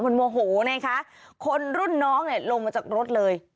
มันโมโหไงคะคนรุ่นน้องเนี่ยลงมาจากรถเลย